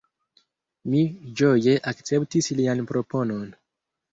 Mi ĝoje akceptis lian proponon.